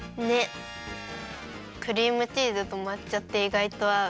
クリームチーズとまっ茶っていがいとあう。